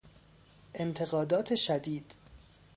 انتقادات شدید